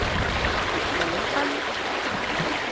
檸賓